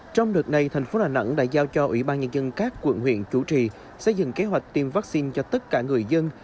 trong đợt này tp đà nẵng đã giao cho ủy ban nhân dân các quận huyện chủ trì xây dựng kế hoạch tiêm vắc xin cho tất cả người dân